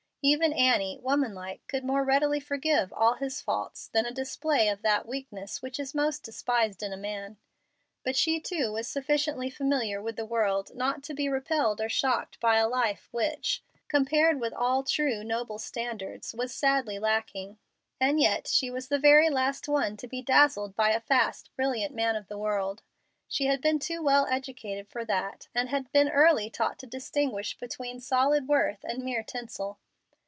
Even Annie, woman like, could more readily forgive all his faults than a display of that weakness which is most despised in a man. But she too was sufficiently familiar with the world not to be repelled or shocked by a life which, compared with all true, noble standards, was sadly lacking. And yet she was the very last one to be dazzled by a fast, brilliant man of the world. She had been too well educated for that, and had been early taught to distinguish between solid worth and mere tinsel.